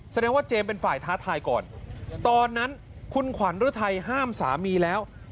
แสดงว่าเจมส์เป็นฝ่ายท้าทายก่อนตอนนั้นคุณขวัญฤทัยห้ามสามีแล้ว